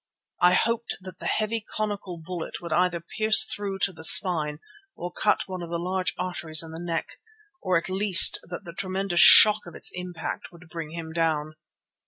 I hoped that the heavy conical bullet would either pierce through to the spine or cut one of the large arteries in the neck, or at least that the tremendous shock of its impact would bring him down.